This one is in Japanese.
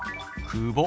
「久保」。